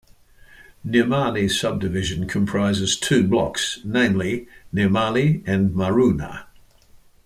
Nirmali sub-division comprises two blocks, namely, Nirmali and Maruna.